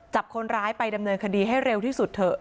จับคนร้ายไปดำเนินคดีให้เร็วที่สุดเถอะ